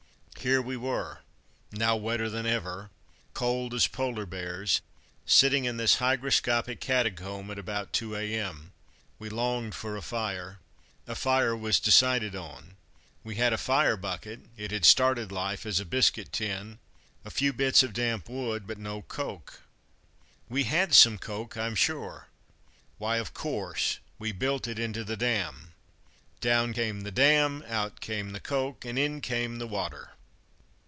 Here we were, now wetter than ever, cold as Polar bears, sitting in this hygroscopic catacomb at about 2 a.m. We longed for a fire; a fire was decided on. We had a fire bucket it had started life as a biscuit tin a few bits of damp wood, but no coke. "We had some coke, I'm sure! Why, of course we built it into the dam!" Down came the dam, out came the coke, and in came the water.